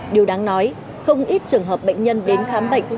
điều đáng nói không ít trường hợp bệnh nhân đến khám bệnh